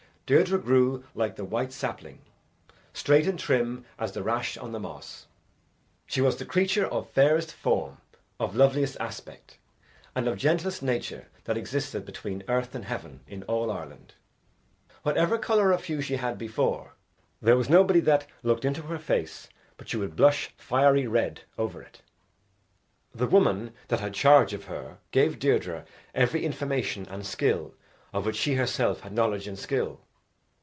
Deirdre grew like the white sapling, straight and trim as the rash on the moss. She was the creature of fairest form, of loveliest aspect, and of gentlest nature that existed between earth and heaven in all Ireland whatever colour of hue she had before, there was nobody that looked into her face but she would blush fiery red over it. The woman that had charge of her gave Deirdre every information and skill of which she herself had knowledge and skill.